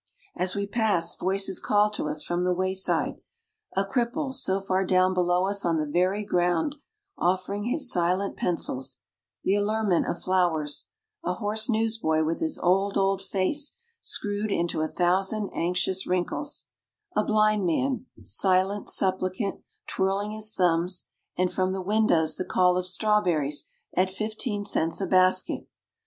As we pass voices call to us from the wayside, a cripple so far down below us on the very ground offering his silent pencils; the allurement of flowers; a hoarse newsboy with his old, old face screwed into a thousand anxious wrinkles; a blind man, silent supplicant, twirling his thumbs; and from the windows the call of strawberries at 15 cents a basket.